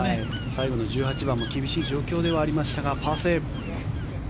最後の１８番も厳しい状況ではありましたがパーセーブ。